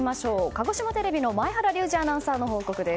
鹿児島テレビの前原竜二アナウンサーの報告です。